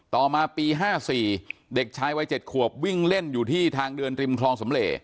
ต่อมาปี๕๔เด็กชายวัย๗ขวบวิ่งเล่นอยู่ที่ทางเดินริมคลองสำเหล